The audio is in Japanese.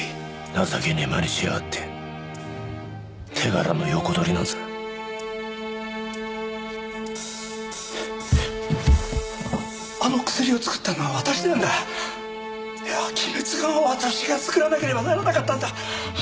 情けねぇまねしやがって手柄の横取りなんざあの薬を作ったのは私なんだいや鬼滅丸は私が作らなければならなかったんだ